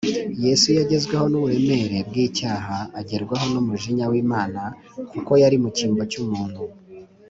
yesu yagezweho n’uburemere bw’icyaha, agerwaho n’umujinya w’imana kuko yari mu cyimbo cy’umuntu